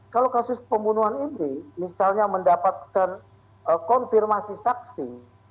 kalau kasus pembunuhan ini misalnya mendapatkan konfirmasi saksi